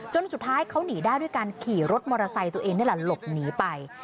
สุดท้ายเขาหนีได้ด้วยการขี่รถมอเตอร์ไซค์ตัวเองนี่แหละหลบหนีไป